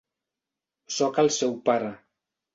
Sóc el seu pare.